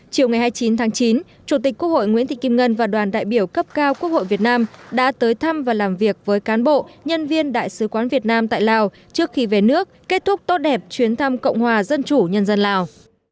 chủ tịch quốc hội nguyễn thị kim ngân và đoàn đại biểu cấp cao quốc hội việt nam đã tới thăm và làm việc với cán bộ nhân viên đại sứ quán việt nam tại lào trước khi về nước kết thúc tốt đẹp chuyến thăm cộng hòa dân chủ nhân dân lào